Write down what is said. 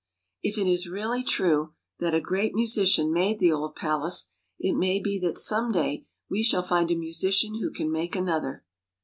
If it is really true that a great musician made the old palace, it may be that some day we shall find a musician who can make another.